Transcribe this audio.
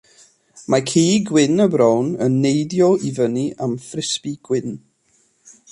Mae ci gwyn a brown yn neidio i fyny am ffrisbi gwyn.